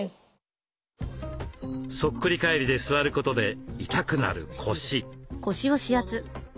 そっくり返りで座ることで痛くなる腰。